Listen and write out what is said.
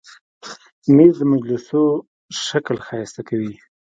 مېز د مجلسو شکل ښایسته کوي.